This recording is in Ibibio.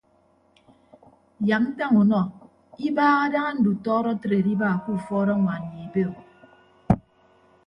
Yak ntañ unọ ibaha daña ndutọọdọ atre adiba ke ufuọd añwaan ye ebe o.